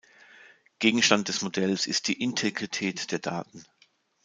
Gegenstand des Modells ist die Integrität der Daten.